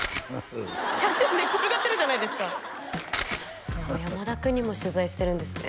社長寝っ転がってるじゃないですかちょっと山田君にも取材してるんですね